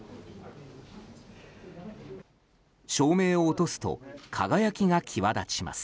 照明を落とすと輝きが際立ちます。